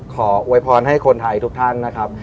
ขออวยพรให้คนไทยทุกท่านนะครับ